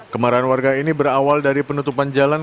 kemarahan warga ini berawal dari penutupan jalan